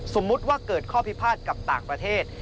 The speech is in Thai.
สมมุติว่าเกิดข้อพิพาทกับต่างประเทศ